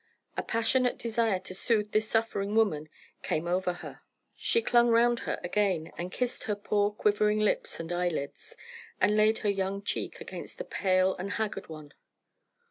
A passionate desire to soothe this suffering woman came over her. She clung round her again, and kissed her poor quivering lips and eyelids, and laid her young cheek against the pale and haggard one.